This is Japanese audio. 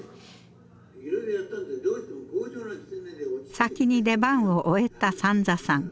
先に出番を終えた三三さん。